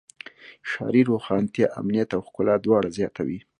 ښاري روښانتیا امنیت او ښکلا دواړه زیاتوي.